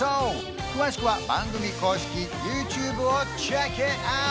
詳しくは番組公式ＹｏｕＴｕｂｅをｃｈｅｃｋｉｔｏｕｔ！